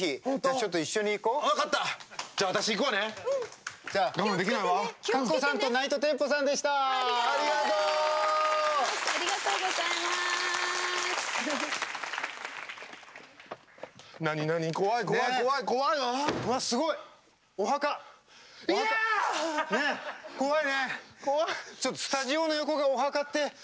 ちょっとスタジオの横がお墓ってすごいね。